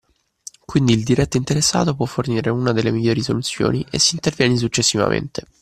Quindi il diretto interessato puó fornire una delle migliori soluzioni e si interviene successivamente.